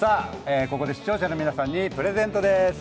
ここで視聴者の皆さんにプレゼントです。